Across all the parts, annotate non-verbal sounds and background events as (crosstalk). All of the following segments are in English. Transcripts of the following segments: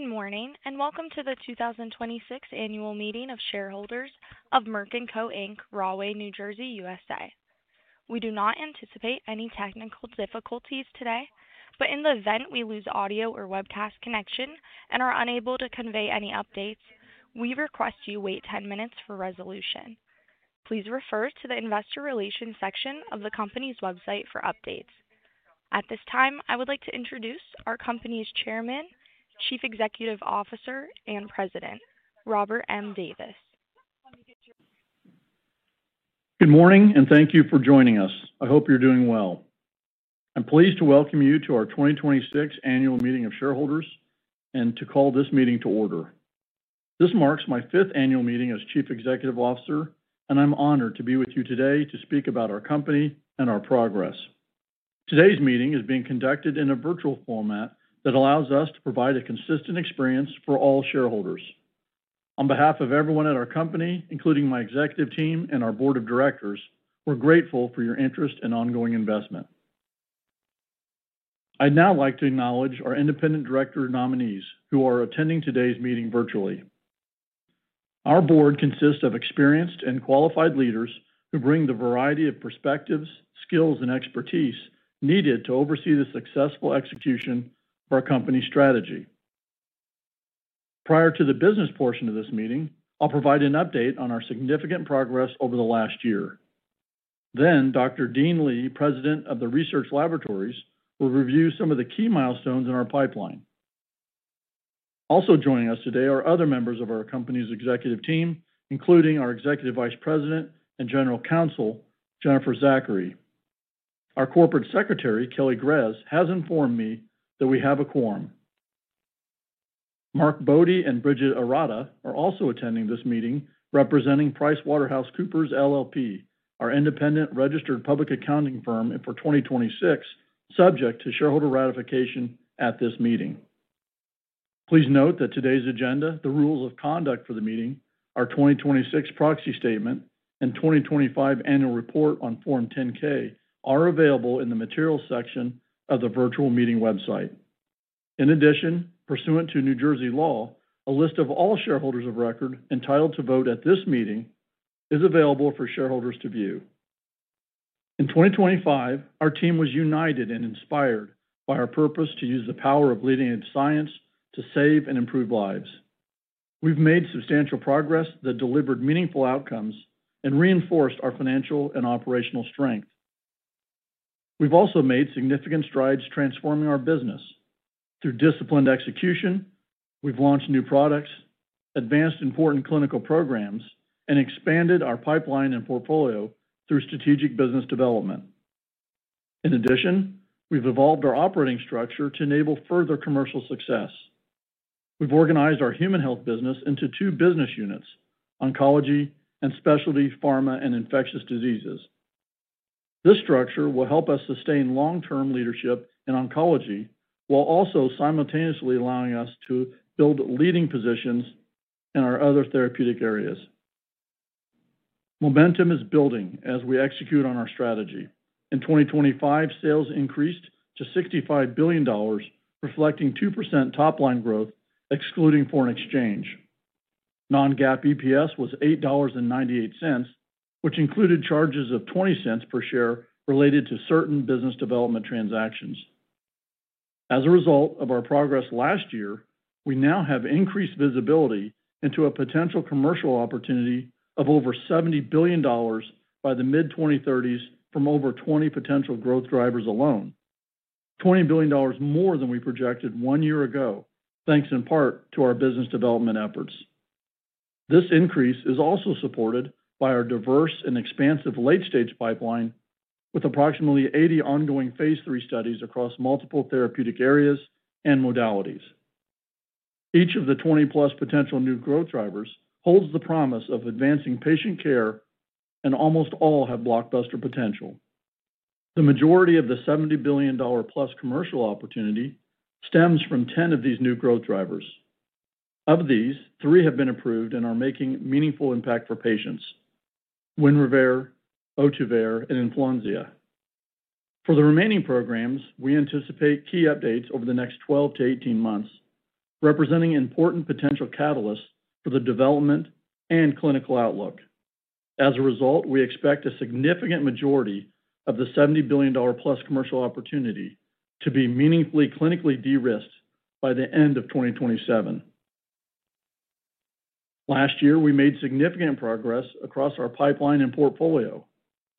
Good morning, welcome to the 2026 Annual Meeting of Shareholders of Merck & Co., Inc, Rahway, New Jersey, USA. We do not anticipate any technical difficulties today, but in the event we lose audio or webcast connection and are unable to convey any updates, we request you wait 10 minutes for resolution. Please refer to the investor relations section of the company's website for updates. At this time, I would like to introduce our company's Chairman, Chief Executive Officer, and President, Robert M. Davis. Good morning. Thank you for joining us. I hope you're doing well. I'm pleased to welcome you to our 2026 Annual Meeting of Shareholders and to call this meeting to order. This marks my fifth annual meeting as Chief Executive Officer. I'm honored to be with you today to speak about our company and our progress. Today's meeting is being conducted in a virtual format that allows us to provide a consistent experience for all shareholders. On behalf of everyone at our company, including my executive team and our board of directors, we're grateful for your interest and ongoing investment. I'd now like to acknowledge our independent director nominees who are attending today's meeting virtually. Our board consists of experienced and qualified leaders who bring the variety of perspectives, skills, and expertise needed to oversee the successful execution of our company strategy. Prior to the business portion of this meeting, I'll provide an update on our significant progress over the last year. Dr. Dean Li, President of Merck Research Laboratories, will review some of the key milestones in our pipeline. Also joining us today are other members of our company's executive team, including our Executive Vice President and General Counsel, Jennifer Zachary. Our Corporate Secretary, Kelly Grez, has informed me that we have a quorum. Mark Bode and Bridget Arata are also attending this meeting, representing PricewaterhouseCoopers LLP, our independent registered public accounting firm and for 2026, subject to shareholder ratification at this meeting. Please note that today's agenda, the rules of conduct for the meeting, our 2026 proxy statement, and 2025 annual report on Form 10-K are available in the materials section of the virtual meeting website. In addition, pursuant to New Jersey law, a list of all shareholders of record entitled to vote at this meeting is available for shareholders to view. In 2025, our team was united and inspired by our purpose to use the power of leading-edge science to save and improve lives. We've made substantial progress that delivered meaningful outcomes and reinforced our financial and operational strength. We've also made significant strides transforming our business. Through disciplined execution, we've launched new products, advanced important clinical programs, and expanded our pipeline and portfolio through strategic business development. In addition, we've evolved our operating structure to enable further commercial success. We've organized our human health business into two business units, oncology and specialty pharma and infectious diseases. This structure will help us sustain long-term leadership in oncology while also simultaneously allowing us to build leading positions in our other therapeutic areas. Momentum is building as we execute on our strategy. In 2025, sales increased to $65 billion, reflecting 2% top-line growth excluding foreign exchange. Non-GAAP EPS was $8.98, which included charges of $0.20 per share related to certain business development transactions. As a result of our progress last year, we now have increased visibility into a potential commercial opportunity of over $70 billion by the mid-2030s from over 20 potential growth drivers alone, $20 billion more than we projected one year ago, thanks in part to our business development efforts. This increase is also supported by our diverse and expansive late-stage pipeline with approximately 80 ongoing phase III studies across multiple therapeutic areas and modalities. Each of the 20+ potential new growth drivers holds the promise of advancing patient care, and almost all have blockbuster potential. The majority of the $70 billion-plus commercial opportunity stems from 10 of these new growth drivers. Of these, three have been approved and are making a meaningful impact for patients, WINREVAIR, OHTUVAYRE, and ENFLONSIA. For the remaining programs, we anticipate key updates over the next 12 to 18 months, representing important potential catalysts for the development and clinical outlook. As a result, we expect a significant majority of the $70 billion-plus commercial opportunity to be meaningfully clinically de-risked by the end of 2027. Last year, we made significant progress across our pipeline and portfolio.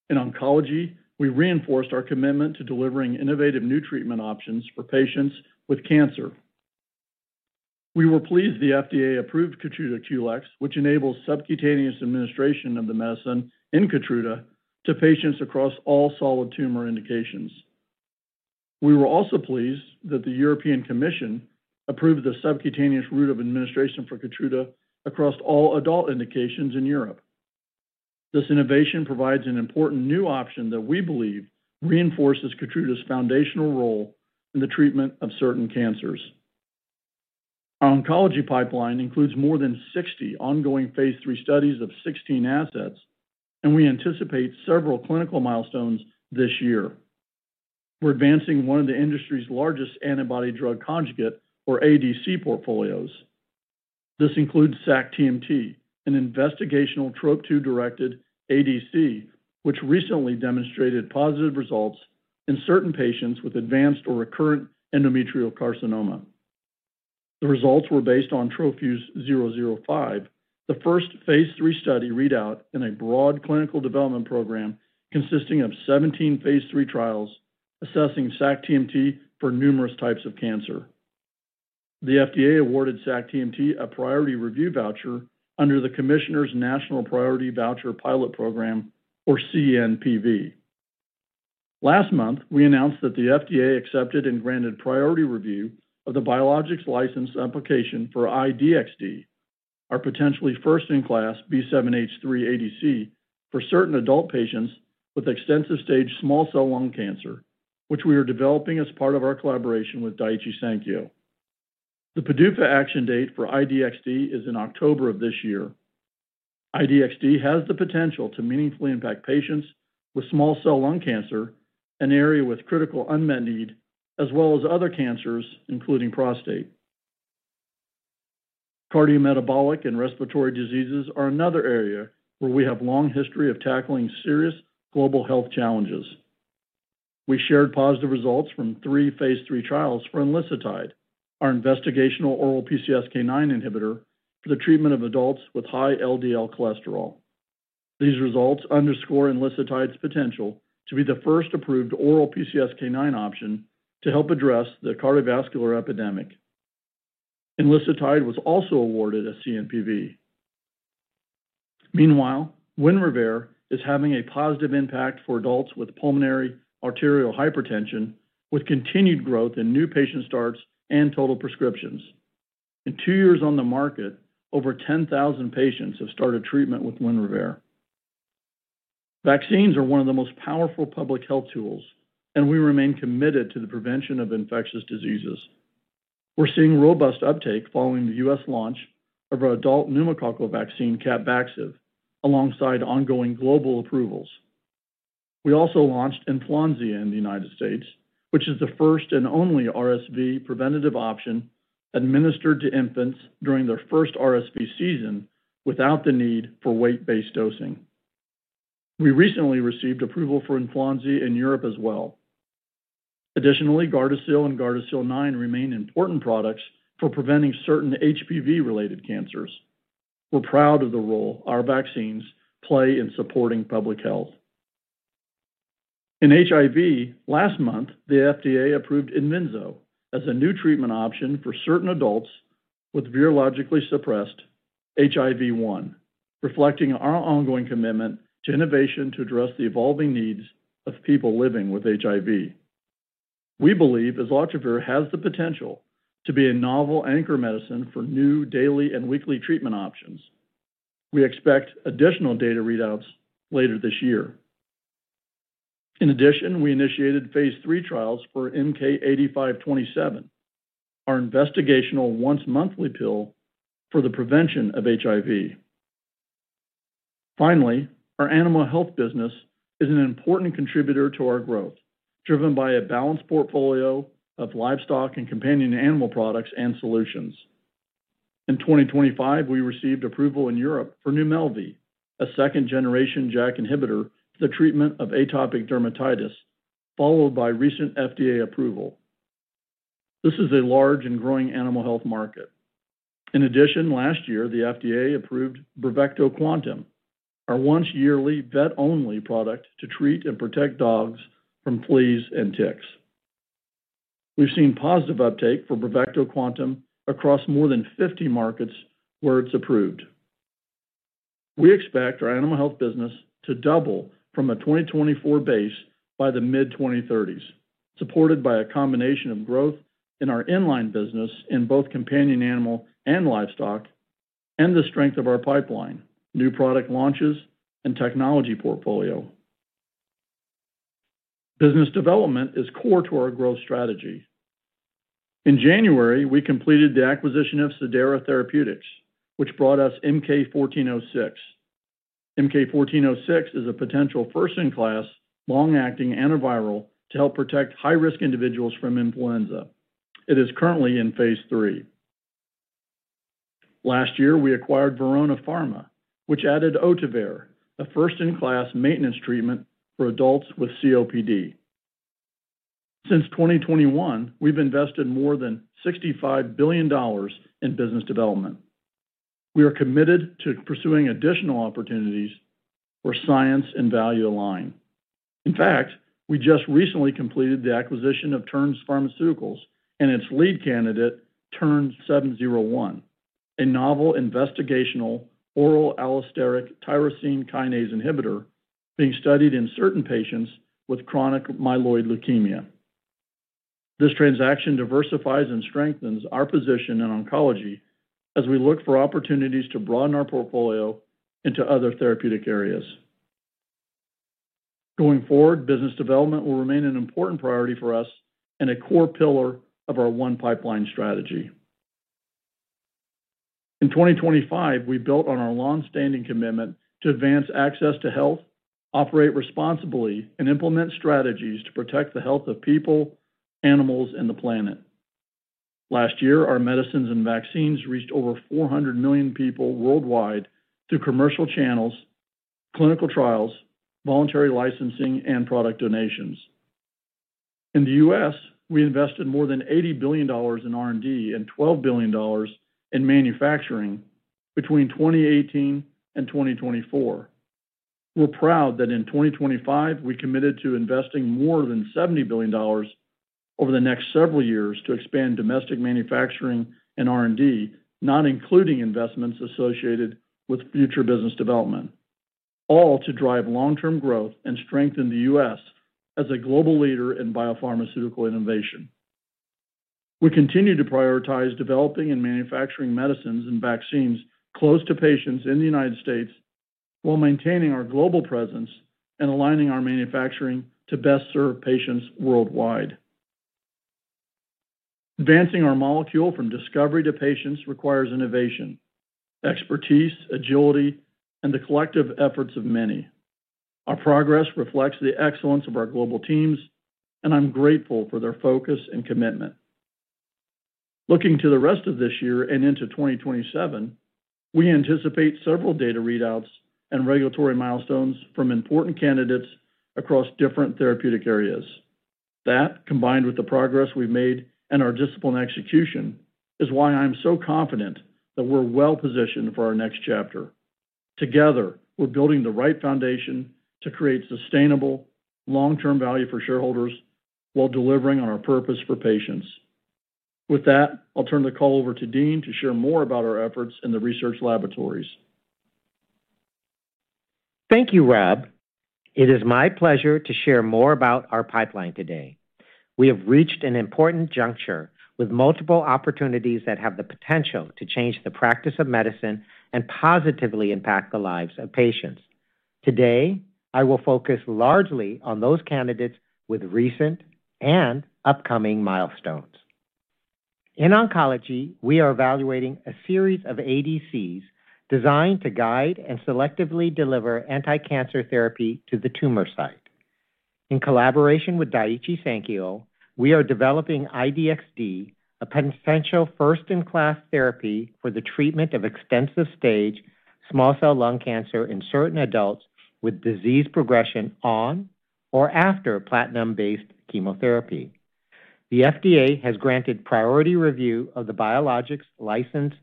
In oncology, we reinforced our commitment to delivering innovative new treatment options for patients with cancer. We were pleased the FDA approved KEYTRUDA QLEX, which enables subcutaneous administration of the medicine in KEYTRUDA to patients across all solid tumor indications. We were also pleased that the European Commission approved the subcutaneous route of administration for KEYTRUDA across all adult indications in Europe. This innovation provides an important new option that we believe reinforces KEYTRUDA's foundational role in the treatment of certain cancers. Our oncology pipeline includes more than 60 ongoing phase III studies of 16 assets. We anticipate several clinical milestones this year. We're advancing one of the industry's largest antibody-drug conjugate, or ADC portfolios. This includes sac-TMT, an investigational TROP2-directed ADC, which recently demonstrated positive results in certain patients with advanced or recurrent endometrial carcinoma. The results were based on TroFuse-005, the first phase III study readout in a broad clinical development program consisting of 17 phase III trials assessing sac-TMT for numerous types of cancer. The FDA awarded sac-TMT a priority review voucher under the Commissioner's National Priority Voucher, or CNPV. Last month, we announced that the FDA accepted and granted priority review of the biologics license application for I-DXd, our potentially first-in-class B7-H3 ADC for certain adult patients with extensive stage small cell lung cancer, which we are developing as part of our collaboration with Daiichi Sankyo. The PDUFA action date for I-DXd is in October of this year. I-DXd has the potential to meaningfully impact patients with small cell lung cancer, an area with critical unmet need, as well as other cancers, including prostate. Cardiometabolic and respiratory diseases are another area where we have long history of tackling serious global health challenges. We shared positive results from three phase III trials for enlicitide, our investigational oral PCSK9 inhibitor for the treatment of adults with high LDL cholesterol. These results underscore enlicitide's potential to be the first approved oral PCSK9 option to help address the cardiovascular epidemic. enlicitide was also awarded a CNPV. Meanwhile, WINREVAIR is having a positive impact for adults with pulmonary arterial hypertension with continued growth in new patient starts and total prescriptions. In two years on the market, over 10,000 patients have started treatment with WINREVAIR. Vaccines are one of the most powerful public health tools, and we remain committed to the prevention of infectious diseases. We're seeing robust uptake following the U.S. launch of our adult pneumococcal vaccine, CAPVAXIVE, alongside ongoing global approvals. We also launched ENFLONSIA in the United States, which is the first and only RSV preventative option administered to infants during their first RSV season without the need for weight-based dosing. We recently received approval for ENFLONSIA in Europe as well. Additionally, GARDASIL and GARDASIL 9 remain important products for preventing certain HPV-related cancers. We're proud of the role our vaccines play in supporting public health. In HIV, last month, the FDA approved IDVYNSO as a new treatment option for certain adults with virologically suppressed HIV-1, reflecting our ongoing commitment to innovation to address the evolving needs of people living with HIV. We believe islatravir has the potential to be a novel anchor medicine for new daily and weekly treatment options. We expect additional data readouts later this year. We initiated phase III trials for MK-8527, our investigational once-monthly pill for the prevention of HIV. Our animal health business is an important contributor to our growth, driven by a balanced portfolio of livestock and companion animal products and solutions. In 2025, we received approval in Europe for NUMELVI, a second-generation JAK inhibitor for the treatment of atopic dermatitis, followed by recent FDA approval. This is a large and growing animal health market. In addition, last year, the FDA approved BRAVECTO QUANTUM, our once-yearly vet-only product to treat and protect dogs from fleas and ticks. We've seen positive uptake for BRAVECTO QUANTUM across more than 50 markets where it's approved. We expect our animal health business to double from a 2024 base by the mid-2030s, supported by a combination of growth in our inline business in both companion animal and livestock, the strength of our pipeline, new product launches, and technology portfolio. Business development is core to our growth strategy. In January, we completed the acquisition of Cidara Therapeutics, which brought us MK-1406. MK-1406 is a potential first-in-class, long-acting antiviral to help protect high-risk individuals from influenza. It is currently in phase III. Last year, we acquired Verona Pharma, which added OHTUVAYRE, a first-in-class maintenance treatment for adults with COPD. Since 2021, we've invested more than $65 billion in business development. We are committed to pursuing additional opportunities where science and value align. We just recently completed the acquisition of Terns Pharmaceuticals and its lead candidate, TERN-701, a novel investigational oral allosteric tyrosine kinase inhibitor being studied in certain patients with chronic myeloid leukemia. This transaction diversifies and strengthens our position in oncology as we look for opportunities to broaden our portfolio into other therapeutic areas. Business development will remain an important priority for us and a core pillar of our one pipeline strategy. In 2025, we built on our longstanding commitment to advance access to health, operate responsibly, and implement strategies to protect the health of people, animals, and the planet. Our medicines and vaccines reached over 400 million people worldwide through commercial channels, clinical trials, voluntary licensing, and product donations. In the U.S., we invested more than $80 billion in R&D and $12 billion in manufacturing between 2018 and 2024. We're proud that in 2025, we committed to investing more than $70 billion over the next several years to expand domestic manufacturing and R&D, not including investments associated with future business development, all to drive long-term growth and strengthen the U.S. as a global leader in biopharmaceutical innovation. We continue to prioritize developing and manufacturing medicines and vaccines close to patients in the United States while maintaining our global presence and aligning our manufacturing to best serve patients worldwide. Advancing our molecule from discovery to patients requires innovation, expertise, agility, and the collective efforts of many. Our progress reflects the excellence of our global teams, and I'm grateful for their focus and commitment. Looking to the rest of this year and into 2027, we anticipate several data readouts and regulatory milestones from important candidates across different therapeutic areas. That, combined with the progress we've made and our disciplined execution, is why I'm so confident that we're well-positioned for our next chapter. Together, we're building the right foundation to create sustainable long-term value for shareholders while delivering on our purpose for patients. With that, I'll turn the call over to Dean to share more about our efforts in the research laboratories. Thank you, Rob. It is my pleasure to share more about our pipeline today. We have reached an important juncture with multiple opportunities that have the potential to change the practice of medicine and positively impact the lives of patients. Today, I will focus largely on those candidates with recent and upcoming milestones. In oncology, we are evaluating a series of ADCs designed to guide and selectively deliver anticancer therapy to the tumor site. In collaboration with Daiichi Sankyo, we are developing I-DXd, a potential first-in-class therapy for the treatment of extensive stage small cell lung cancer in certain adults with disease progression on or after platinum-based chemotherapy. The FDA has granted priority review of the biologics license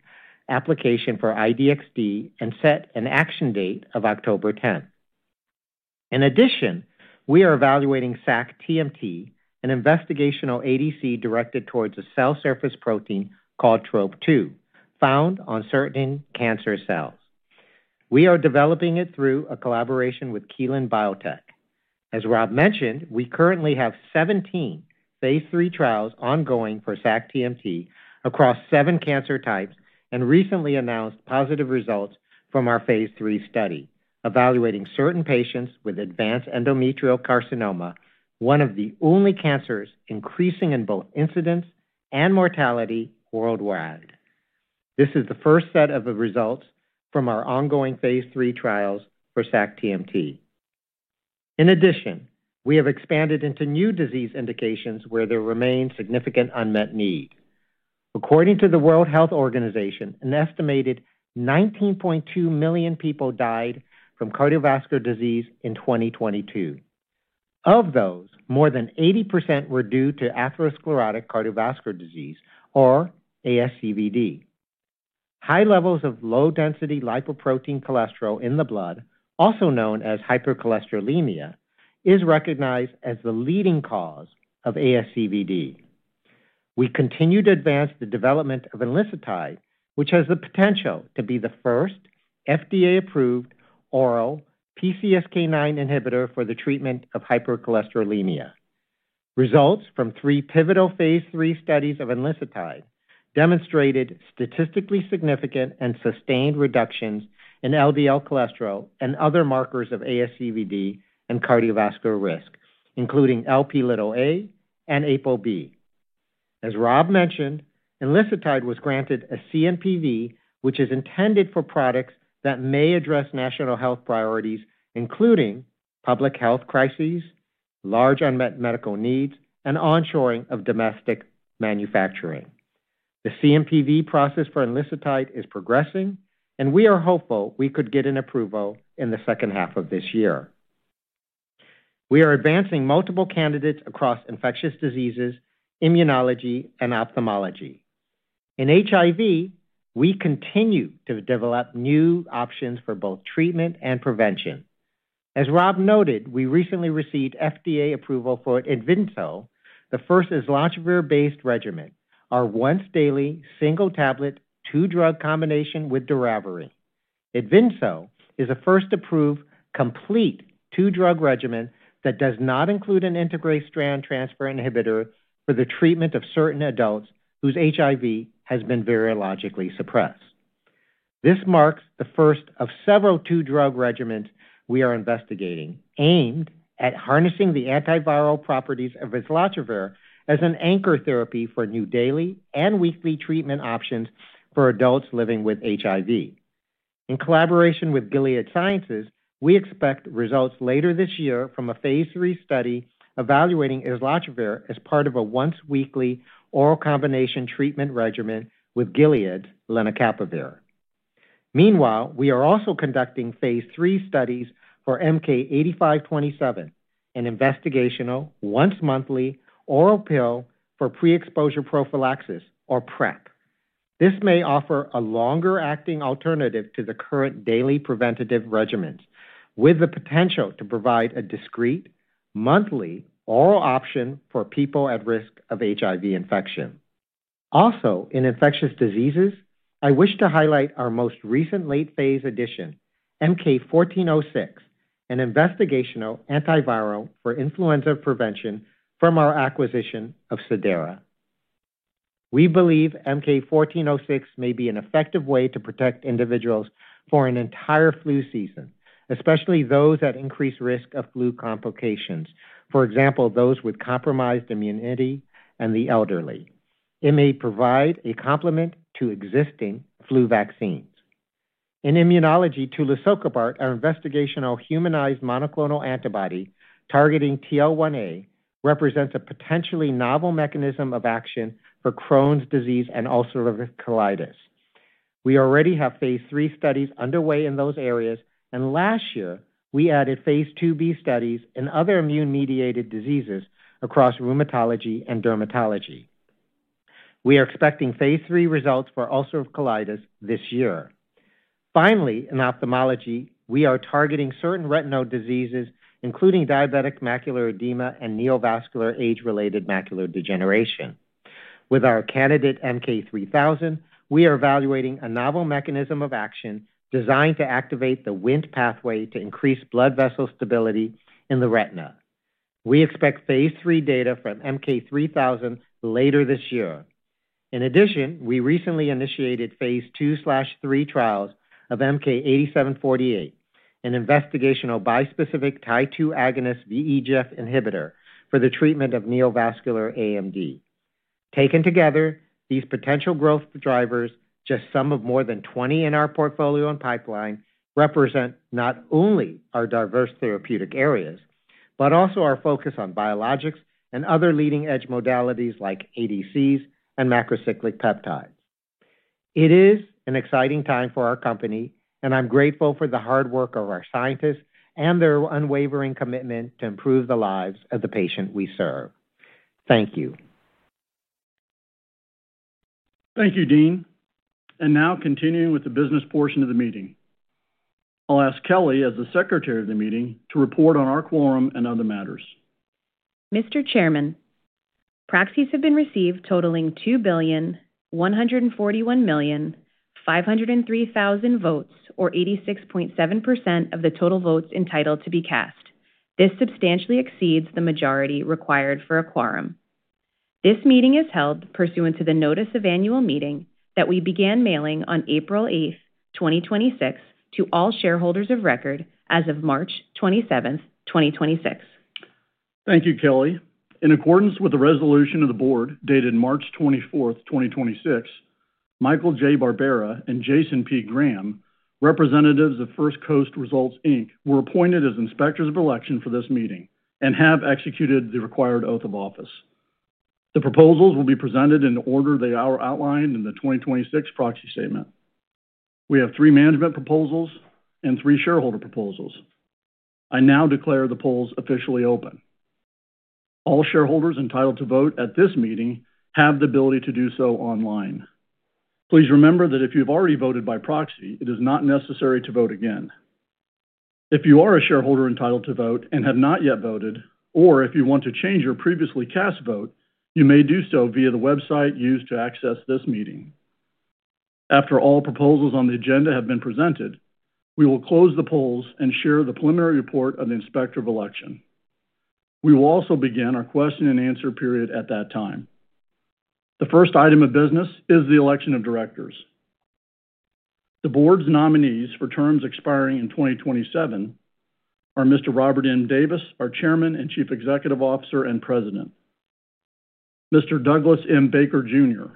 application for I-DXd and set an action date of October 10th. In addition, we are evaluating sac-TMT, an investigational ADC directed towards a cell surface protein called TROP2, found on certain cancer cells. We are developing it through a collaboration with Kelun-Biotech. As Rob mentioned, we currently have 17 phase III trials ongoing for sac-TMT across seven cancer types and recently announced positive results from our phase III study evaluating certain patients with advanced endometrial carcinoma, one of the only cancers increasing in both incidence and mortality worldwide. This is the first set of the results from our ongoing phase III trials for sac-TMT. In addition, we have expanded into new disease indications where there remains significant unmet need. According to the World Health Organization, an estimated 19.2 million people died from cardiovascular disease in 2022. Of those, more than 80% were due to atherosclerotic cardiovascular disease, or ASCVD. High levels of low-density lipoprotein cholesterol in the blood, also known as hypercholesterolemia, is recognized as the leading cause of ASCVD. We continue to advance the development of enlicitide, which has the potential to be the first FDA-approved oral PCSK9 inhibitor for the treatment of hypercholesterolemia. Results from three pivotal phase III studies of enlicitide demonstrated statistically significant and sustained reductions in LDL cholesterol and other markers of ASCVD and cardiovascular risk, including Lp(a) and ApoB. As Rob mentioned, enlicitide was granted a CNPV, which is intended for products that may address national health priorities, including public health crises, large unmet medical needs, and onshoring of domestic manufacturing. The CMPV process for enlicitide is progressing, and we are hopeful we could get an approval in the second half of this year. We are advancing multiple candidates across infectious diseases, immunology, and ophthalmology. In HIV, we continue to develop new options for both treatment and prevention. As Rob noted, we recently received FDA approval for IDVYNSO, the first islatravir-based regimen, our once-daily single-tablet two-drug combination with doravirine. IDVYNSO is the first approved complete two-drug regimen that does not include an integrase strand transfer inhibitor for the treatment of certain adults whose HIV has been virologically suppressed. This marks the first of several two-drug regimens we are investigating, aimed at harnessing the antiviral properties of islatravir as an anchor therapy for new daily and weekly treatment options for adults living with HIV. In collaboration with Gilead Sciences, we expect results later this year from a phase III study evaluating islatravir as part of a once-weekly oral combination treatment regimen with Gilead's lenacapavir. Meanwhile, we are also conducting phase III studies for MK-8527, an investigational once-monthly oral pill for pre-exposure prophylaxis, or PrEP. This may offer a longer-acting alternative to the current daily preventative regimens, with the potential to provide a discreet, monthly oral option for people at risk of HIV infection. In infectious diseases, I wish to highlight our most recent late phase addition, MK-1406, an investigational antiviral for influenza prevention from our acquisition of Cidara. We believe MK-1406 may be an effective way to protect individuals for an entire flu season, especially those at increased risk of flu complications. For example, those with compromised immunity and the elderly. It may provide a complement to existing flu vaccines. In immunology, tulisokibart, an investigational humanized monoclonal antibody targeting TL1A, represents a potentially novel mechanism of action for Crohn's disease and ulcerative colitis. We already have phase III studies underway in those areas, and last year, we added phase II-B studies in other immune-mediated diseases across rheumatology and dermatology. We are expecting phase III results for ulcerative colitis this year. Finally, in ophthalmology, we are targeting certain retinal diseases, including diabetic macular edema and neovascular age-related macular degeneration. With our candidate MK-3000, we are evaluating a novel mechanism of action designed to activate the Wnt pathway to increase blood vessel stability in the retina. We expect phase III data from MK-3000 later this year. In addition, we recently initiated phase II/III trials of MK-8748, an investigational bispecific Tie2 agonist VEGF inhibitor for the treatment of neovascular AMD. Taken together, these potential growth drivers, just some of more than 20 in our portfolio and pipeline, represent not only our diverse therapeutic areas but also our focus on biologics and other leading-edge modalities like ADCs and macrocyclic peptides. It is an exciting time for our company, and I'm grateful for the hard work of our scientists and their unwavering commitment to improve the lives of the patients we serve. Thank you. Thank you, Dean. Now continuing with the business portion of the meeting. I'll ask Kelly, as the secretary of the meeting, to report on our quorum and other matters. Mr. Chairman, proxies have been received totaling 2,141,503,000 votes, or 86.7% of the total votes entitled to be cast. This substantially exceeds the majority required for a quorum. This meeting is held pursuant to the notice of annual meeting that we began mailing on April 8th, 2026, to all shareholders of record as of March 27th, 2026. Thank you, Kelly. In accordance with the resolution of the board dated March 24th, 2026, Michael J. Barbera and Jason P. Graham, representatives of First Coast Results, Inc, were appointed as inspectors of election for this meeting and have executed the required oath of office. The proposals will be presented in the order they are outlined in the 2026 proxy statement. We have three management proposals and three shareholder proposals. I now declare the polls officially open. All shareholders entitled to vote at this meeting have the ability to do so online. Please remember that if you've already voted by proxy, it is not necessary to vote again. If you are a shareholder entitled to vote and have not yet voted, or if you want to change your previously cast vote, you may do so via the website used to access this meeting. After all proposals on the agenda have been presented, we will close the polls and share the preliminary report of the inspector of election. We will also begin our question and answer period at that time. The first item of business is the election of directors. The board's nominees for terms expiring in 2027 are Mr. Robert M. Davis, our chairman and chief executive officer and president, Mr. Douglas M. Baker Jr.,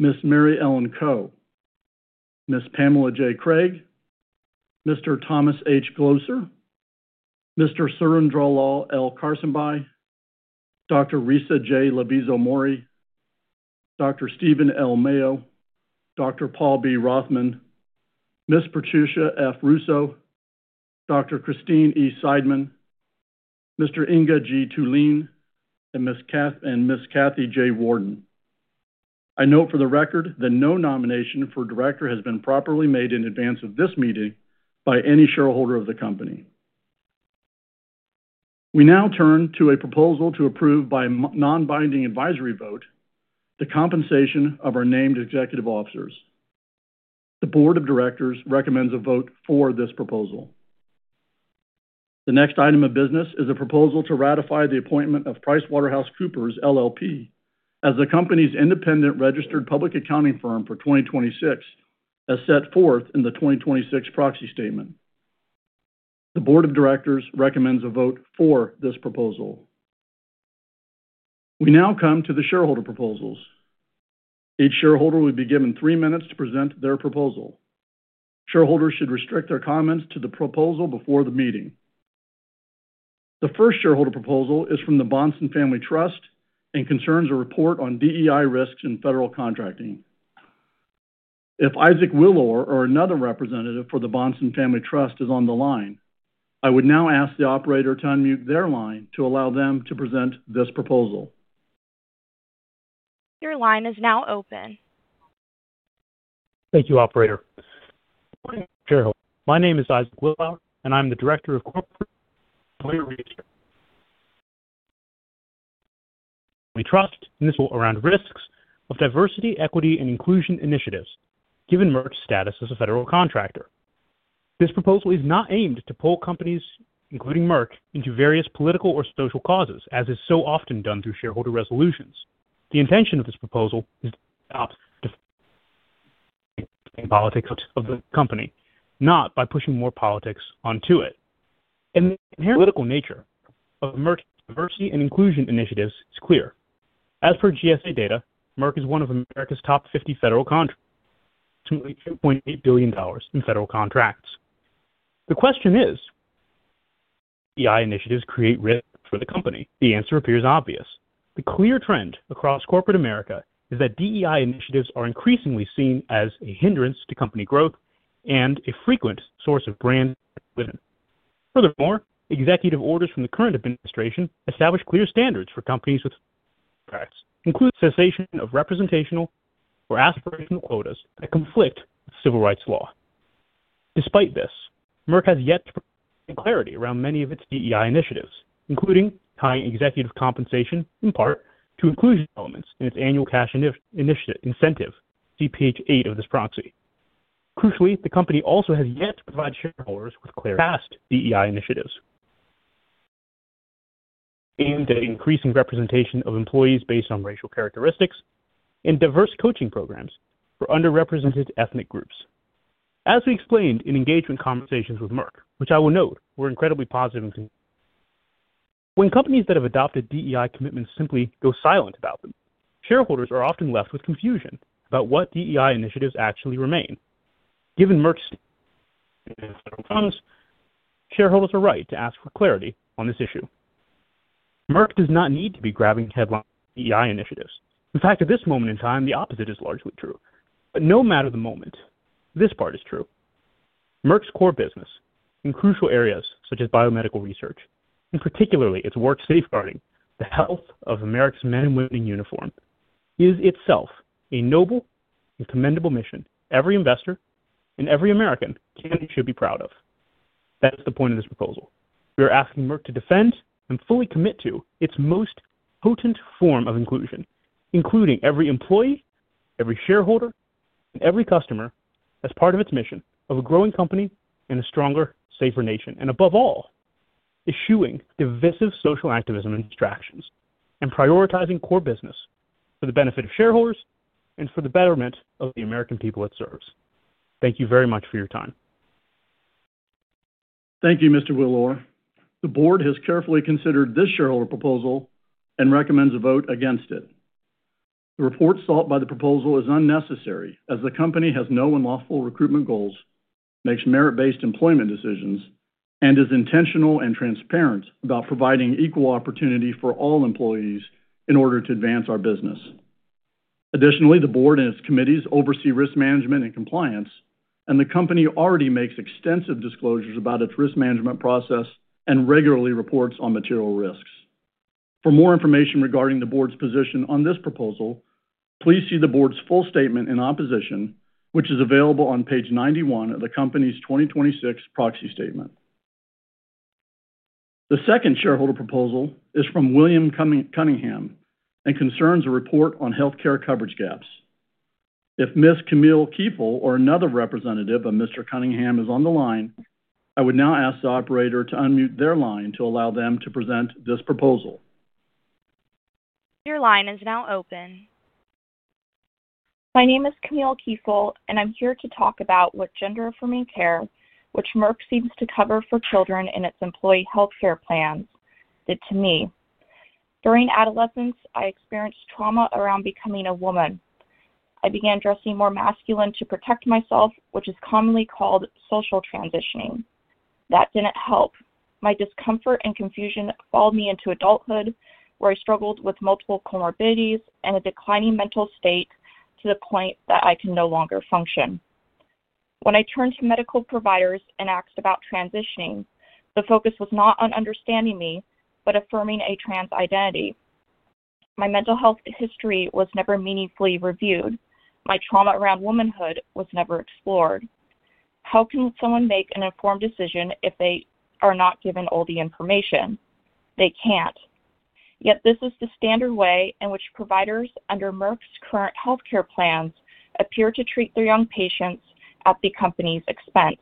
Ms. Mary Ellen Coe, Ms. Pamela J. Craig, Mr. Thomas H. Glocer, Mr. Sanjiv L. Karsanbhai, Dr. Risa J. Lavizzo-Mourey, Dr. Stephen L. Mayo, Dr. Paul B. Rothman, Ms. Patricia F. Russo, Dr. Christine E. Seidman, Mr. Inge G. Thulin, and Ms. Kathy J. Warden. I note for the record that no nomination for director has been properly made in advance of this meeting by any shareholder of the company. We now turn to a proposal to approve by non-binding advisory vote the compensation of our named executive officers. The board of directors recommends a vote for this proposal. The next item of business is a proposal to ratify the appointment of PricewaterhouseCoopers LLP as the company's independent registered public accounting firm for 2026, as set forth in the 2026 Proxy Statement. The Board of Directors recommends a vote for this proposal. We now come to the shareholder proposals. Each shareholder will be given three minutes to present their proposal. Shareholders should restrict their comments to the proposal before the meeting. The first shareholder proposal is from the Bahnsen Family Trust and concerns a report on DEI risks in federal contracting. If Isaac Willour or another representative for the Bahnsen Family Trust is on the line, I would now ask the operator to unmute their line to allow them to present this proposal. Your line is now open. Thank you, operator. Good morning, shareholders. My name is Isaac Willour, and I'm the director of corporate (audio distortion) trust around risks of diversity, equity, and inclusion initiatives given Merck's status as a federal contractor. This proposal is not aimed to pull companies, including Merck, into various political or social causes, as is so often done through shareholder resolutions. The intention of this proposal is (audio distortion) politics of the company, not by pushing more politics onto it. The political nature of Merck's diversity and inclusion initiatives is clear. As per GSA data, Merck is one of America's top 50 federal contractors with $2.8 billion in federal contracts. The question is, do DEI initiatives create risks for the company? The answer appears obvious. The clear trend across corporate America is that DEI initiatives are increasingly seen as a hindrance to company growth and a frequent source of brand. Furthermore, executive orders from the current administration establish clear standards for companies with contracts, including cessation of representational or aspirational quotas that conflict with civil rights law. Despite this, Merck has yet to provide clarity around many of its DEI initiatives, including tying executive compensation in part to inclusion elements in its annual cash incentive, see page eight of this proxy. Crucially, the company also has yet to provide shareholders with clear past DEI initiatives aimed at increasing representation of employees based on racial characteristics and diverse coaching programs for underrepresented ethnic groups. As we explained in engagement conversations with Merck, which I will note were incredibly positive. When companies that have adopted DEI commitments simply go silent about them, shareholders are often left with confusion about what DEI initiatives actually remain. Given Merck's (audio distortion) shareholders are right to ask for clarity on this issue. Merck does not need to be grabbing headlines with DEI initiatives. In fact, at this moment in time, the opposite is largely true. No matter the moment, this part is true. Merck's core business in crucial areas such as biomedical research, and particularly its work safeguarding the health of America's men and women in uniform, is itself a noble and commendable mission every investor and every American can and should be proud of. That's the point of this proposal. We are asking Merck to defend and fully commit to its most potent form of inclusion, including every employee, every shareholder, and every customer as part of its mission of a growing company and a stronger, safer nation, and above all, eschewing divisive social activism and distractions and prioritizing core business for the benefit of shareholders and for the betterment of the American people it serves. Thank you very much for your time. Thank you, Mr. Willour. The board has carefully considered this shareholder proposal and recommends a vote against it. The report sought by the proposal is unnecessary as the company has no unlawful recruitment goals, makes merit-based employment decisions, and is intentional and transparent about providing equal opportunity for all employees in order to advance our business. Additionally, the board and its committees oversee risk management and compliance, and the company already makes extensive disclosures about its risk management process and regularly reports on material risks. For more information regarding the board's position on this proposal, please see the board's full statement in opposition, which is available on page 91 of the company's 2026 Proxy Statement. The second shareholder proposal is from William Cunningham and concerns a report on healthcare coverage gaps. If Ms. Camille Kiefel or another representative of Mr. Cunningham is on the line, I would now ask the operator to unmute their line to allow them to present this proposal. Your line is now open. My name is Camille Kiefel, I'm here to talk about what gender-affirming care, which Merck seeks to cover for children in its employee healthcare plans, did to me. During adolescence, I experienced trauma around becoming a woman. I began dressing more masculine to protect myself, which is commonly called social transitioning. That didn't help. My discomfort and confusion followed me into adulthood, where I struggled with multiple comorbidities and a declining mental state to the point that I can no longer function. When I turned to medical providers and asked about transitioning, the focus was not on understanding me, but affirming a trans identity. My mental health history was never meaningfully reviewed. My trauma around womanhood was never explored. How can someone make an informed decision if they are not given all the information? Yet this is the standard way in which providers under Merck's current healthcare plans appear to treat their young patients at the company's expense.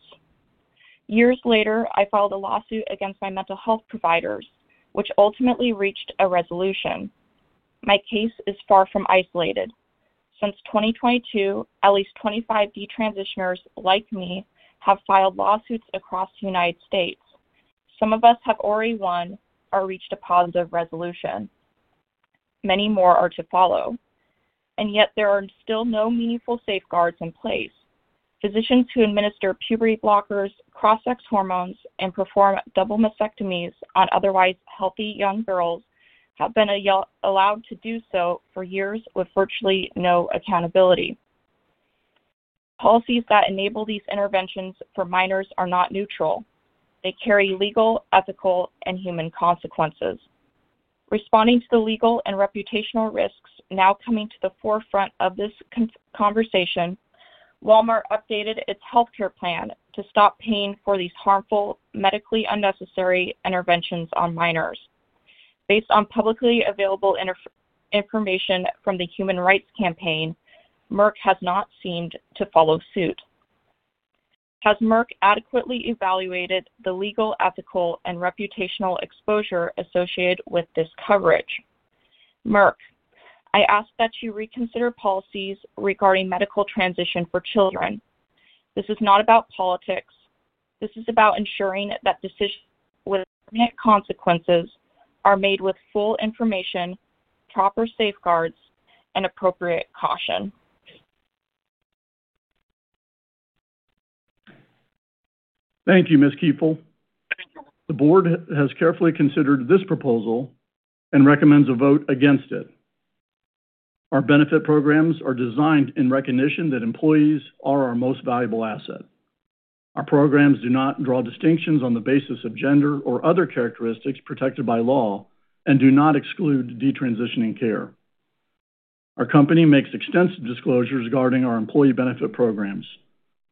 Years later, I filed a lawsuit against my mental health providers, which ultimately reached a resolution. My case is far from isolated. Since 2022, at least 25 detransitioners like me have filed lawsuits across the United States. Some of us have already won or reached a positive resolution. Yet there are still no meaningful safeguards in place. Physicians who administer puberty blockers, cross-sex hormones, and perform double mastectomies on otherwise healthy young girls have been allowed to do so for years with virtually no accountability. Policies that enable these interventions for minors are not neutral. They carry legal, ethical, and human consequences. Responding to the legal and reputational risks now coming to the forefront of this conversation, Walmart updated its healthcare plan to stop paying for these harmful, medically unnecessary interventions on minors. Based on publicly available information from the Human Rights Campaign, Merck has not seemed to follow suit. Has Merck adequately evaluated the legal, ethical, and reputational exposure associated with this coverage? Merck, I ask that you reconsider policies regarding medical transition for children. This is not about politics. This is about ensuring that decisions with significant consequences are made with full information, proper safeguards, and appropriate caution. Thank you, Ms. Kiefel. The board has carefully considered this proposal and recommends a vote against it. Our benefit programs are designed in recognition that employees are our most valuable asset. Our programs do not draw distinctions on the basis of gender or other characteristics protected by law and do not exclude detransitioning care. Our company makes extensive disclosures regarding our employee benefit programs.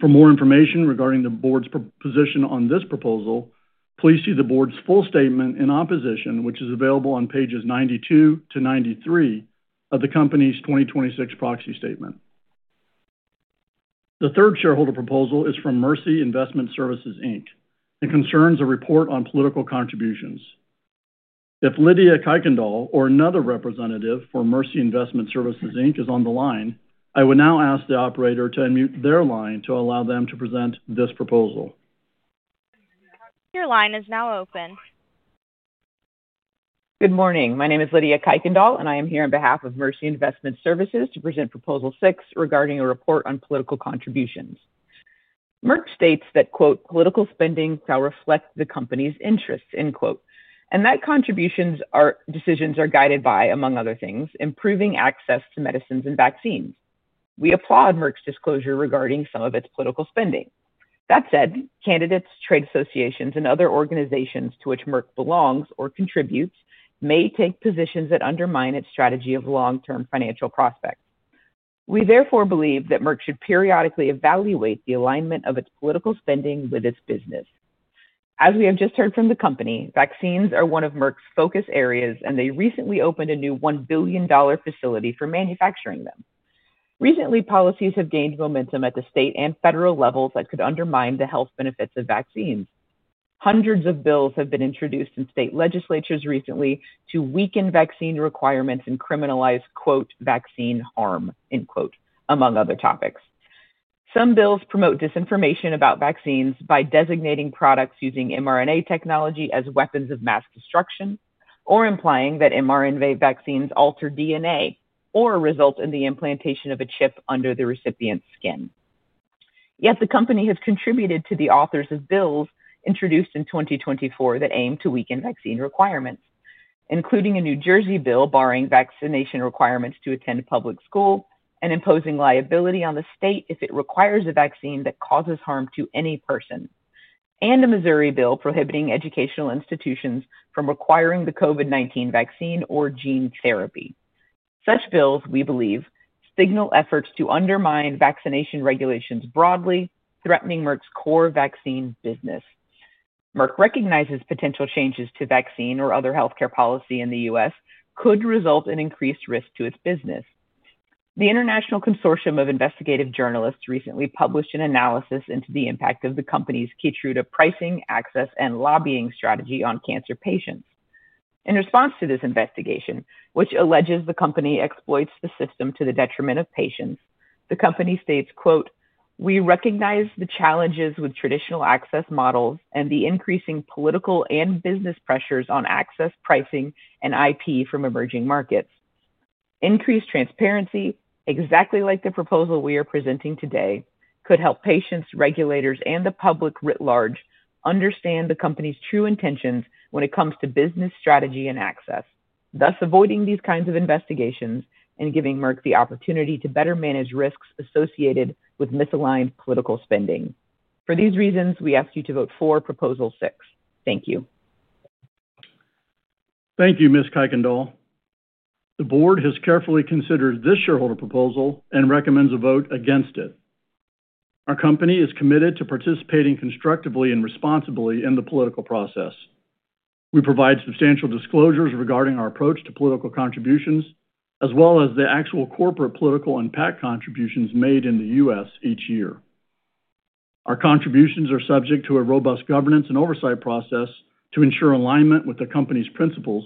For more information regarding the board's position on this proposal, please see the board's full statement in opposition, which is available on pages 92 to 93 of the company's 2026 proxy statement. The third shareholder proposal is from Mercy Investment Services, Inc. It concerns a report on political contributions. If Lydia Kuykendal or another representative for Mercy Investment Services, Inc. is on the line, I would now ask the operator to unmute their line to allow them to present this proposal. Your line is now open. Good morning. My name is Lydia Kuykendal, I am here on behalf of Mercy Investment Services, Inc. to present Proposal Six regarding a report on political contributions. Merck states that, quote, "Political spending shall reflect the company's interests," end quote, that contributions decisions are guided by, among other things, improving access to medicines and vaccines. We applaud Merck's disclosure regarding some of its political spending. That said, candidates, trade associations, and other organizations to which Merck belongs or contributes may take positions that undermine its strategy of long-term financial prospects. We therefore believe that Merck should periodically evaluate the alignment of its political spending with its business. As we have just heard from the company, vaccines are one of Merck's focus areas, they recently opened a new $1 billion facility for manufacturing them. Recently, policies have gained momentum at the state and federal levels that could undermine the health benefits of vaccines. Hundreds of bills have been introduced in state legislatures recently to weaken vaccine requirements and criminalize, quote, "vaccine harm," end quote, among other topics. Some bills promote disinformation about vaccines by designating products using mRNA technology as weapons of mass destruction, or implying that mRNA vaccines alter DNA or result in the implantation of a chip under the recipient's skin. Yet the company has contributed to the authors of bills introduced in 2024 that aim to weaken vaccine requirements, including a New Jersey bill barring vaccination requirements to attend public school and imposing liability on the state if it requires a vaccine that causes harm to any person, and a Missouri bill prohibiting educational institutions from requiring the COVID-19 vaccine or gene therapy. Such bills, we believe, signal efforts to undermine vaccination regulations broadly threatening Merck's core vaccine business. Merck recognizes potential changes to vaccine or other healthcare policy in the U.S. could result in increased risk to its business. The International Consortium of Investigative Journalists recently published an analysis into the impact of the company's KEYTRUDA pricing, access, and lobbying strategy on cancer patients. In response to this investigation, which alleges the company exploits the system to the detriment of patients, the company states, quote, "We recognize the challenges with traditional access models and the increasing political and business pressures on access pricing and IP from emerging markets." Increased transparency, exactly like the proposal we are presenting today, could help patients, regulators, and the public writ large understand the company's true intentions when it comes to business strategy and access, thus avoiding these kinds of investigations and giving Merck the opportunity to better manage risks associated with misaligned political spending. For these reasons, we ask you to vote for Proposal Six. Thank you. Thank you, Ms. Kuykendal. The board has carefully considered this shareholder proposal and recommends a vote against it. Our company is committed to participating constructively and responsibly in the political process. We provide substantial disclosures regarding our approach to political contributions, as well as the actual corporate political and PAC contributions made in the U.S. each year. Our contributions are subject to a robust governance and oversight process to ensure alignment with the company's principles,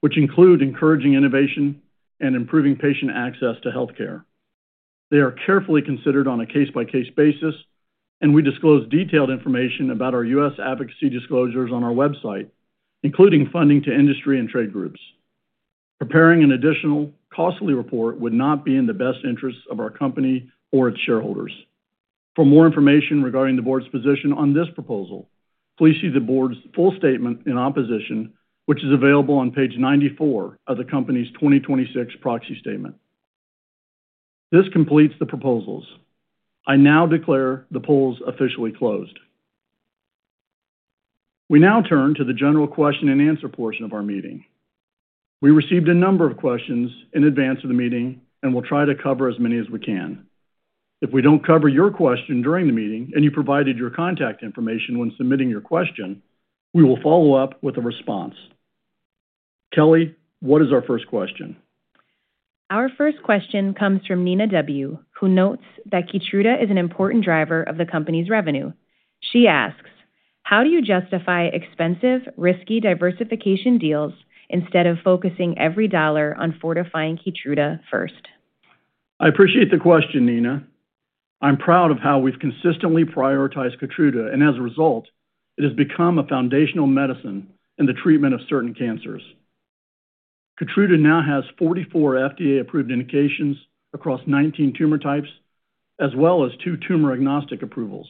which include encouraging innovation and improving patient access to healthcare. They are carefully considered on a case-by-case basis, and we disclose detailed information about our U.S. advocacy disclosures on our website, including funding to industry and trade groups. Preparing an additional costly report would not be in the best interest of our company or its shareholders. For more information regarding the board's position on this proposal, please see the board's full statement in opposition, which is available on page 94 of the company's 2026 proxy statement. This completes the proposals. I now declare the polls officially closed. We now turn to the general question and answer portion of our meeting. We received a number of questions in advance of the meeting, we'll try to cover as many as we can. If we don't cover your question during the meeting and you provided your contact information when submitting your question, we will follow up with a response. Kelly, what is our first question? Our first question comes from Nina W., who notes that KEYTRUDA is an important driver of the company's revenue. She asks, "How do you justify expensive, risky diversification deals instead of focusing every dollar on fortifying KEYTRUDA first? I appreciate the question, Nina. I'm proud of how we've consistently prioritized KEYTRUDA, and as a result, it has become a foundational medicine in the treatment of certain cancers. KEYTRUDA now has 44 FDA-approved indications across 19 tumor types, as well as two tumor agnostic approvals.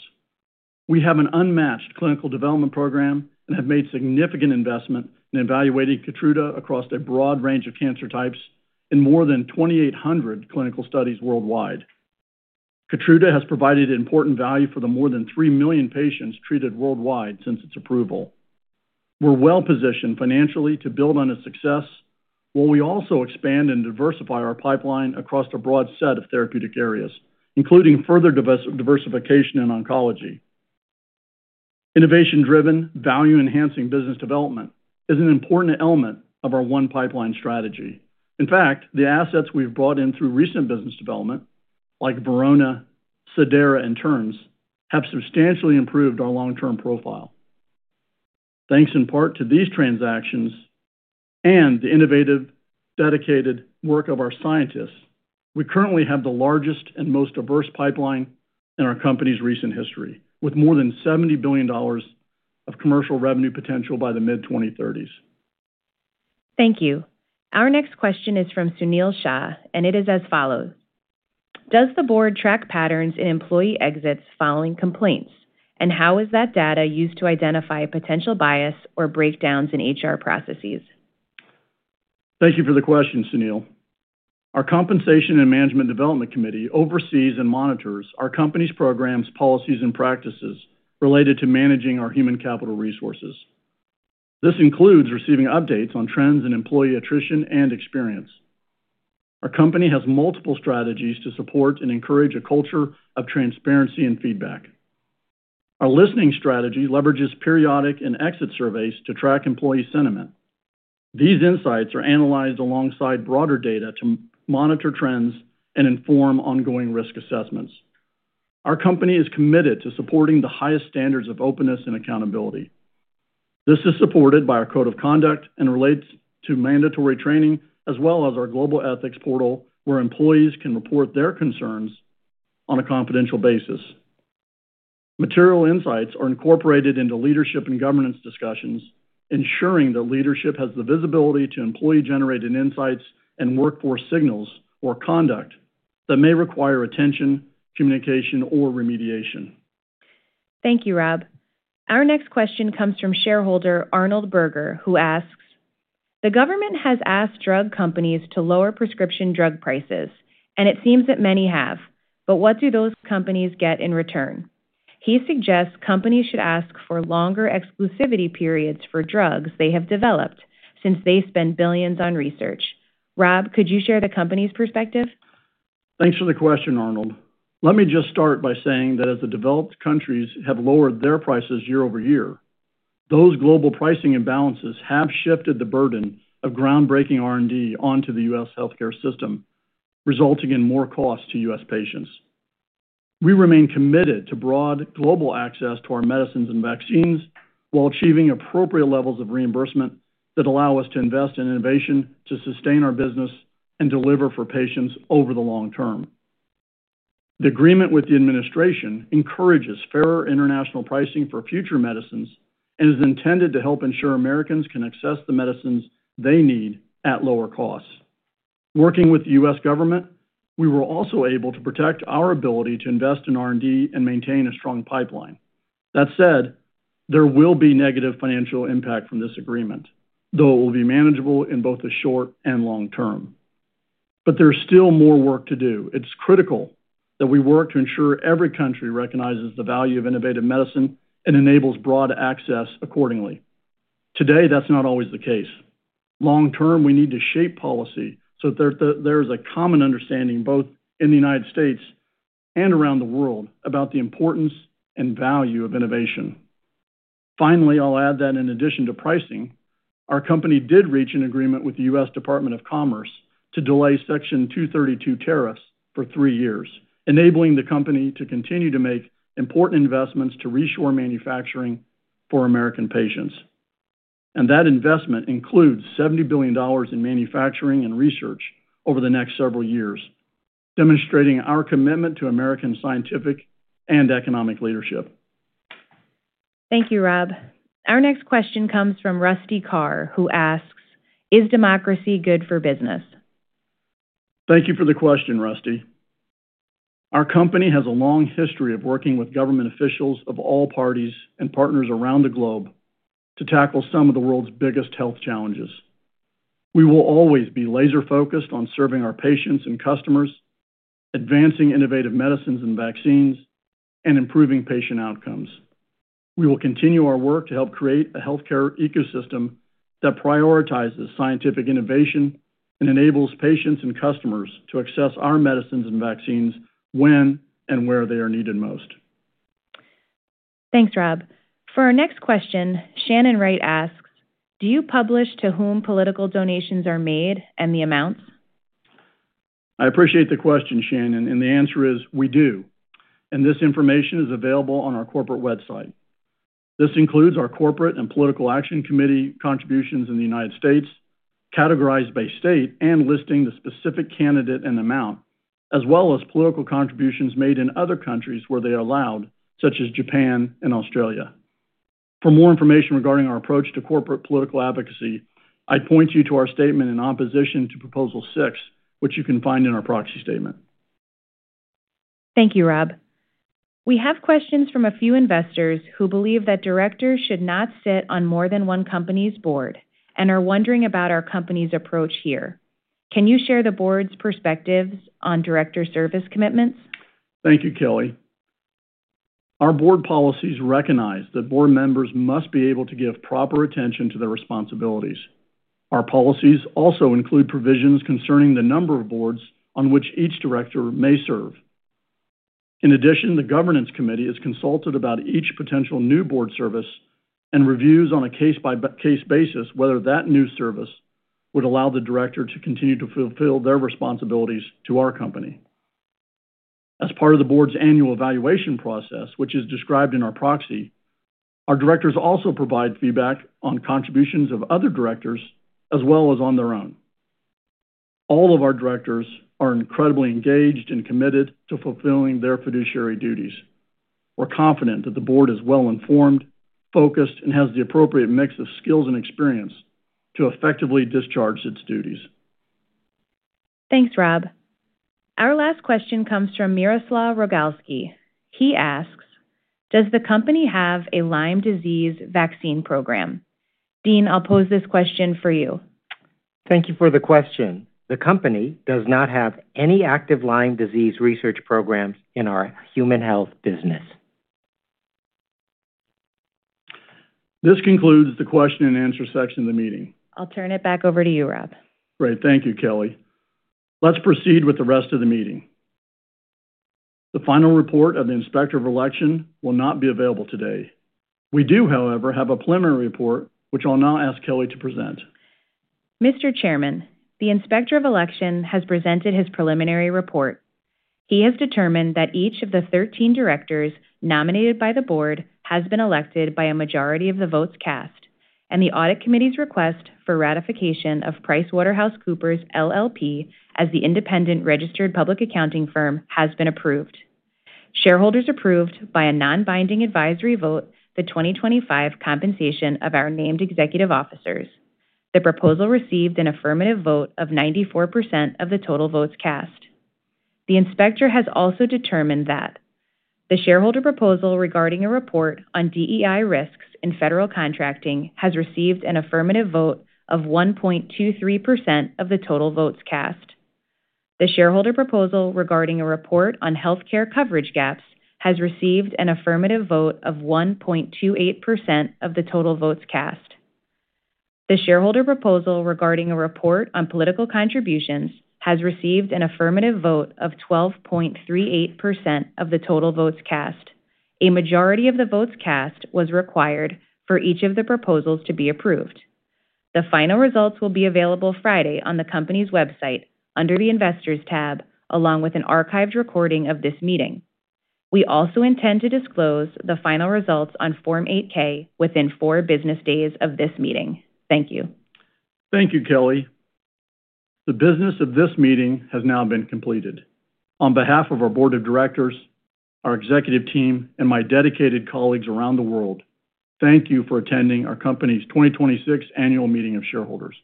We have an unmatched clinical development program and have made significant investment in evaluating KEYTRUDA across a broad range of cancer types in more than 2,800 clinical studies worldwide. KEYTRUDA has provided important value for the more than three million patients treated worldwide since its approval. We're well-positioned financially to build on its success, while we also expand and diversify our pipeline across a broad set of therapeutic areas, including further diversification in oncology. Innovation-driven, value-enhancing business development is an important element of our one pipeline strategy. In fact, the assets we've brought in through recent business development like Verona, Cidara, and Terns have substantially improved our long-term profile. Thanks in part to these transactions and the innovative, dedicated work of our scientists, we currently have the largest and most diverse pipeline in our company's recent history with more than $70 billion of commercial revenue potential by the mid-2030s. Thank you. Our next question is from Sunil Shah, and it is as follows: "Does the board track patterns in employee exits following complaints, and how is that data used to identify potential bias or breakdowns in HR processes? Thank you for the question, Sunil. Our Compensation and Management Development Committee oversees and monitors our company's programs, policies, and practices related to managing our human capital resources. This includes receiving updates on trends in employee attrition and experience. Our company has multiple strategies to support and encourage a culture of transparency and feedback. Our listening strategy leverages periodic and exit surveys to track employee sentiment. These insights are analyzed alongside broader data to monitor trends and inform ongoing risk assessments. Our company is committed to supporting the highest standards of openness and accountability. This is supported by our code of conduct and relates to mandatory training, as well as our Global Ethics Portal, where employees can report their concerns on a confidential basis. Material insights are incorporated into leadership and governance discussions, ensuring that leadership has the visibility to employee-generated insights and workforce signals or conduct that may require attention, communication, or remediation. Thank you, Rob. Our next question comes from shareholder Arnold Berger, who asks, "The government has asked drug companies to lower prescription drug prices, and it seems that many have. But what do those companies get in return?" He suggests companies should ask for longer exclusivity periods for drugs they have developed since they spend billions on research. Rob, could you share the company's perspective? Thanks for the question, Arnold. Let me just start by saying that as the developed countries have lowered their prices year over year, those global pricing imbalances have shifted the burden of groundbreaking R&D onto the U.S. healthcare system, resulting in more costs to U.S. patients. We remain committed to broad global access to our medicines and vaccines while achieving appropriate levels of reimbursement that allow us to invest in innovation to sustain our business and deliver for patients over the long term. The agreement with the administration encourages fairer international pricing for future medicines and is intended to help ensure Americans can access the medicines they need at lower costs. Working with the U.S. government, we were also able to protect our ability to invest in R&D and maintain a strong pipeline. That said, there will be negative financial impact from this agreement, though it will be manageable in both the short and long term. There's still more work to do. It's critical that we work to ensure every country recognizes the value of innovative medicine and enables broad access accordingly. Today, that's not always the case. Long-term, we need to shape policy so that there is a common understanding, both in the United States and around the world, about the importance and value of innovation. I'll add that in addition to pricing, our company did reach an agreement with the U.S. Department of Commerce to delay Section 232 tariffs for three years, enabling the company to continue to make important investments to reshore manufacturing for American patients. That investment includes $70 billion in manufacturing and research over the next several years, demonstrating our commitment to American scientific and economic leadership. Thank you, Rob. Our next question comes from Rusty Carr, who asks, "Is democracy good for business? Thank you for the question, Rusty. Our company has a long history of working with government officials of all parties and partners around the globe to tackle some of the world's biggest health challenges. We will always be laser-focused on serving our patients and customers, advancing innovative medicines and vaccines, and improving patient outcomes. We will continue our work to help create a healthcare ecosystem that prioritizes scientific innovation and enables patients and customers to access our medicines and vaccines when and where they are needed most. Thanks, Rob. For our next question, Shannon Wright asks, "Do you publish to whom political donations are made and the amounts? I appreciate the question, Shannon. The answer is we do, and this information is available on our corporate website. This includes our corporate and political action committee contributions in the U.S., categorized by state and listing the specific candidate and amount, as well as political contributions made in other countries where they are allowed, such as Japan and Australia. For more information regarding our approach to corporate political advocacy, I'd point you to our statement in opposition to Proposal 6, which you can find in our proxy statement. Thank you, Rob. We have questions from a few investors who believe that directors should not sit on more than one company's board and are wondering about our company's approach here. Can you share the board's perspectives on director service commitments? Thank you, Kelly. Our board policies recognize that board members must be able to give proper attention to their responsibilities. Our policies also include provisions concerning the number of boards on which each director may serve. In addition, the Governance Committee is consulted about each potential new board service and reviews on a case-by-case basis whether that new service would allow the director to continue to fulfill their responsibilities to our company. As part of the board's annual evaluation process, which is described in our proxy, our directors also provide feedback on the contributions of other directors as well as on their own. All of our directors are incredibly engaged and committed to fulfilling their fiduciary duties. We're confident that the board is well-informed, focused, and has the appropriate mix of skills and experience to effectively discharge its duties. Thanks, Rob. Our last question comes from Miroslav Rogalski. He asks, "Does the company have a Lyme disease vaccine program?" Dean, I'll pose this question for you. Thank you for the question. The company does not have any active Lyme disease research programs in our human health business. This concludes the question and answer section of the meeting. I'll turn it back over to you, Rob. Great. Thank you, Kelly. Let's proceed with the rest of the meeting. The final report of the Inspector of Election will not be available today. We do, however, have a preliminary report, which I'll now ask Kelly to present. Mr. Chairman, the Inspector of Election has presented his preliminary report. He has determined that each of the 13 directors nominated by the board has been elected by a majority of the votes cast, and the Audit Committee's request for ratification of PricewaterhouseCoopers LLP as the independent registered public accounting firm has been approved. Shareholders approved via non-binding advisory votes the 2025 compensation of our named executive officers. The proposal received an affirmative vote of 94% of the total votes cast. The inspector has also determined that the shareholder proposal regarding a report on DEI risks in federal contracting has received an affirmative vote of 1.23% of the total votes cast. The shareholder proposal regarding a report on healthcare coverage gaps has received an affirmative vote of 1.28% of the total votes cast. The shareholder proposal regarding a report on political contributions has received an affirmative vote of 12.38% of the total votes cast. A majority of the votes cast was required for each of the proposals to be approved. The final results will be available Friday on the company's website under the Investors tab, along with an archived recording of this meeting. We also intend to disclose the final results on Form 8-K within four business days of this meeting. Thank you. Thank you, Kelly. The business of this meeting has now been completed. On behalf of our board of directors, our executive team, and my dedicated colleagues around the world, thank you for attending our company's 2026 Annual Meeting of Shareholders.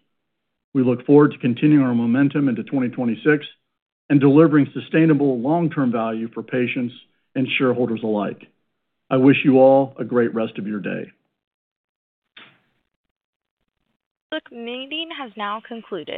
We look forward to continuing our momentum into 2026 and delivering sustainable long-term value for patients and shareholders alike. I wish you all a great rest of your day. The meeting has now concluded.